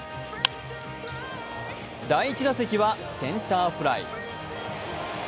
第１打席はセンターフライ。